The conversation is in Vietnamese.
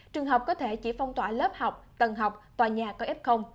trường học có thể chỉ phong tỏa lớp học tầng học tòa nhà có f